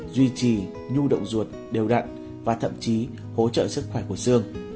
duy trì nhu động ruột đều đặn và thậm chí hỗ trợ sức khỏe của xương